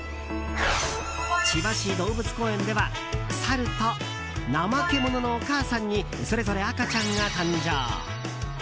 千葉市動物公園ではサルとナマケモノのお母さんにそれぞれ赤ちゃんが誕生。